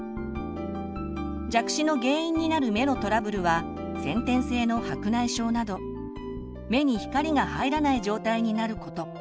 弱視の原因になる目のトラブルは先天性の白内障など目に光が入らない状態になること。